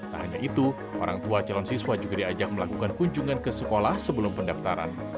tak hanya itu orang tua calon siswa juga diajak melakukan kunjungan ke sekolah sebelum pendaftaran